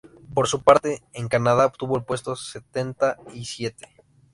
Por su parte, en Canadá, obtuvo el puesto setenta y siete.